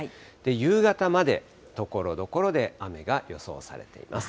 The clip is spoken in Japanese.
夕方まで、ところどころで雨が予想されています。